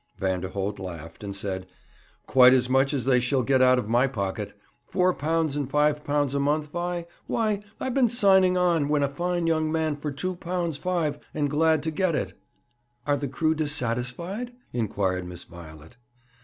Vanderholt laughed, and said: 'Quite as much as they shall get out of my pocket. Four pounds and five pounds a month, Vi. Why, I've been signing on, when a fine young man, for two pounds five, and glad to get it.' 'Are the crew dissatisfied?' inquired Miss Violet.